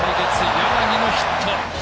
柳のヒット。